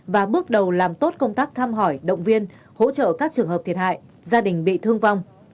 và bước đầu làm tốt công tác thăm hỏi động viên hỗ trợ các trường hợp thiệt hại gia đình bị thương vong